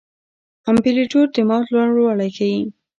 امپلیتیوډ د موج لوړوالی ښيي.